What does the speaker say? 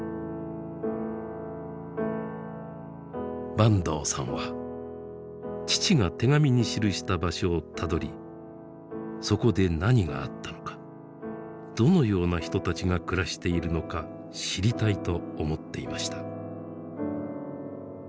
坂東さんは父が手紙に記した場所をたどりそこで何があったのかどのような人たちが暮らしているのか知りたいと思っていました。